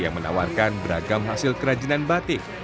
yang menawarkan beragam hasil kerajinan batik